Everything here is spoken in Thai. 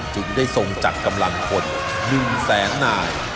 เลยได้ทรงจากกำลังคน๑แสงนาย